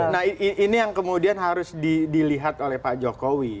nah ini yang kemudian harus dilihat oleh pak jokowi